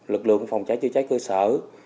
lực lượng phòng cháy chữa cháy cơ sở